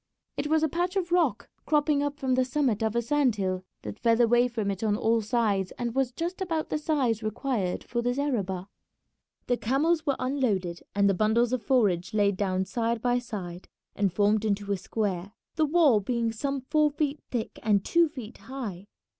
It was a patch of rock cropping up from the summit of a sand hill that fell away from it on all sides, and was just about the size required for the zareba. The camels were unloaded and the bundles of forage laid down side by side and formed into a square, the wall being some four feet thick and two feet high.